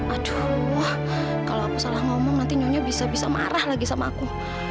aduh wah kalau aku salah ngomong nanti nyonya bisa bisa marah lagi sama aku